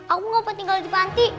aku gak pernah tinggal di panti